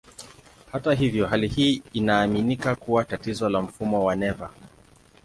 Hata hivyo, hali hii inaaminika kuwa tatizo la mfumo wa neva.